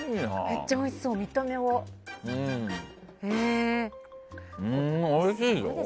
めっちゃ見た目、おいしそう。